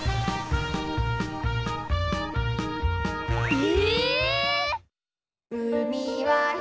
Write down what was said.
え！？